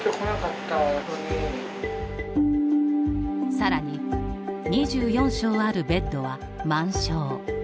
さらに２４床あるベッドは満床。